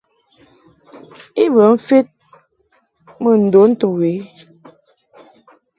I bə mfed mbə ndon to we i.